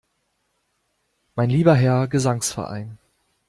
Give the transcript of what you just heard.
Mein lieber Herr Gesangsverein!